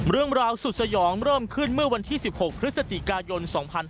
เรื่องราวสุดสยองเริ่มขึ้นเมื่อวันที่๑๖พฤศจิกายน๒๕๕๙